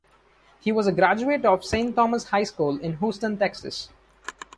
He was a graduate of Saint Thomas High School in Houston, Texas.